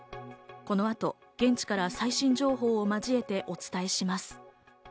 この後、現地から最新情報を交えてお伝えします。